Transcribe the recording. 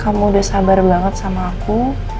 kamu udah sabar banget sama aku